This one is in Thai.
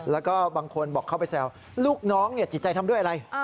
แล้วก็บางคนบอกเข้าไปแซวลูกน้องจิตใจทำด้วยอะไร